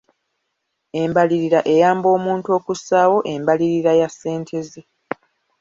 Embalirira eyamba omuntu okussaawo embalirira ya ssente ze.